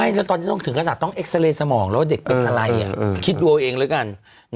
เอาฮะไม่ตอนนี้ถึงขนาดต้องเอกเซเลส์สมองแล้วว่าเด็กเป็นอะไรคิดดูเอาเองแล้วกัน